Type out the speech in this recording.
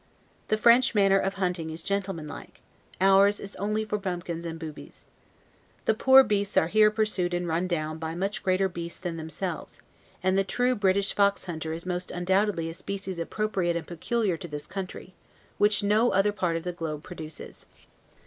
The French manner of hunting is gentlemanlike; ours is only for bumpkins and boobies. The poor beasts are here pursued and run down by much greater beasts than themselves, and the true British fox hunter is most undoubtedly a species appropriated and peculiar to this country, which no other part of the globe produces.